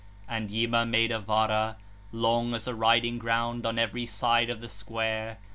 And Yima made a Vara, long as a riding ground on every side of the square.